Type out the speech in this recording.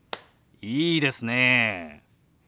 いいですねえ。